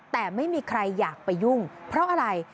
แต่ไม่มีใครอยากไปยุ่งเพราะอะไร